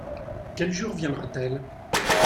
Quel jour viendra-t-elle ?